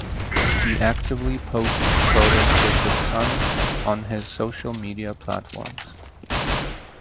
He actively posts photos with his son on his social media platforms.